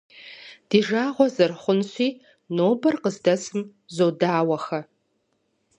Ди жагъуэ зэрыхъунщи, нобэр къыздэсым зодауэхэ.